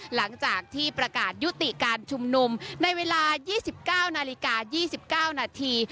หลังจากที่ประกาศยุติการชุมนุมในเวลา๒๙นาฬิกา๒๙นาที